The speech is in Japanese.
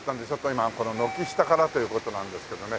今この軒下からという事なんですけどね。